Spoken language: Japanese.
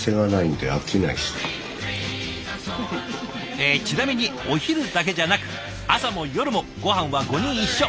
えちなみにお昼だけじゃなく朝も夜もごはんは５人一緒。